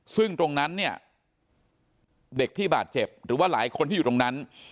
ซึ่งตรงนั้นเนี่ยเด็กที่บาดเจ็บหรือว่าหลายคนที่อยู่ตรงนั้น